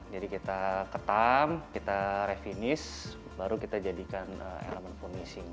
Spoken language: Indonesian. jadi kita ketam kita refinish baru kita jadikan elemen furnishing